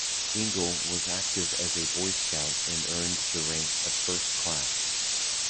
Engle was active as a Boy Scout and earned the rank of First Class.